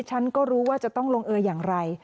ฉันก็รู้ว่าจะต้องลงเอออย่างไร